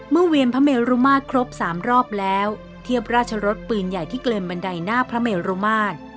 เวียนพระเมรุมาตรครบ๓รอบแล้วเทียบราชรสปืนใหญ่ที่เกินบันไดหน้าพระเมรุมาตร